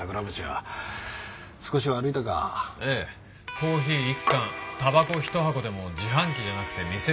コーヒー１缶たばこ１箱でも自販機じゃなくて店で買って顔を売れ